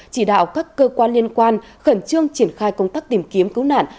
chỉ đạo các cơ quan liên quan khẩn trương triển khai công tác tìm kiếm cứu nạn